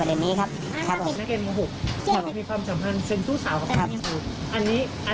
นักเรียนม๖มีความสัมพันธ์เชิงชู้สาวกับผู้มีผู้